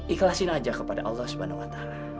ikhlasin aja kepada allah swt